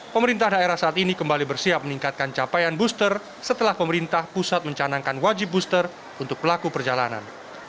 pemerintah daerah saat ini kembali bersiap meningkatkan capaian booster setelah pemerintah pusat mencanangkan wajib booster untuk pelaku perjalanan